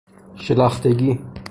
شلختگی